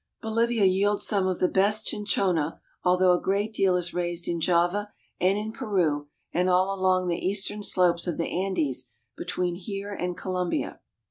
Bolivia yields some of the best cinchona, although a great deal is raised in Java and in Peru and all along the eastern slopes of the Andes between here and Colombia.